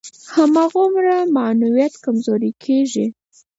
هماغومره معنویت کمزوری کېږي.